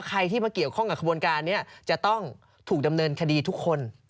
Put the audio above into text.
ใครที่มาเกี่ยวข้องกับขบวนการนี้จะต้องถูกดำเนินคดีทุกคน